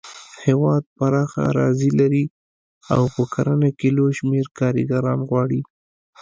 هېواد پراخه اراضي لري او په کرنه کې لوی شمېر کارګران غواړي.